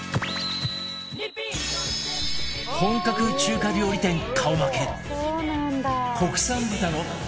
本格中華料理店顔負け